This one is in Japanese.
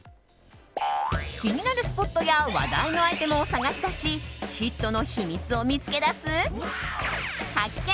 気になるスポットや話題のアイテムを探し出しヒットの秘密を見つけ出す発見！